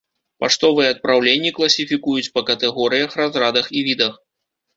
Паштовыя адпраўленні класіфікуюць па катэгорыях, разрадах і відах.